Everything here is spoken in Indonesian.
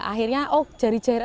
akhirnya oh jari jari